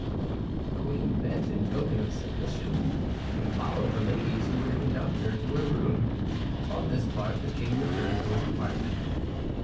The queen bent in token of submission, and followed the ladies who were to conduct her to her room. On his part the king returned to his apartment.